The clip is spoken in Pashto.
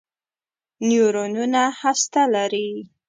نیورونونه هسته لري.